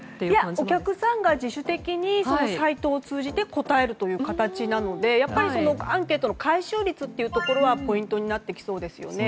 お客さんが自主的にサイトを通じて答えるという形なのでアンケートの回収率もポイントになってきそうですよね。